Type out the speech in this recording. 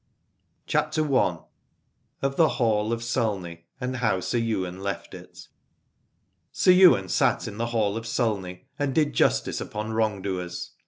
ALADORE. CHAPTER I. OF THE HALL OF SULNEY AND HOW SIR YWAIN LEFT IT. Sir Ywain ^ sat in the Hall of Sulney and did justice upon wrong doers.